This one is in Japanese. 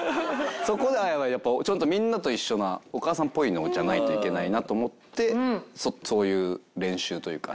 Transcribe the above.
そこでやっぱちゃんとみんなと一緒なお母さんっぽいのじゃないといけないなと思ってそういう練習というか。